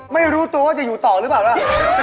ไม่รู้ตัวว่าจะอยู่ต่อหรือเปล่าล่ะ